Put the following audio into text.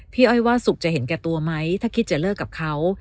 อ้อยว่าสุขจะเห็นแก่ตัวไหมถ้าคิดจะเลิกกับเขา